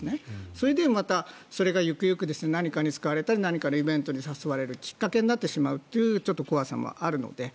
それでまた、それがゆくゆく何かに使われたり何かのイベントに誘われるきっかけになってしまうという怖さもあるので。